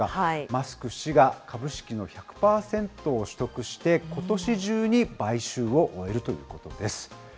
マスク氏が株式の１００％を取得して、ことし中に買収を終えるということです。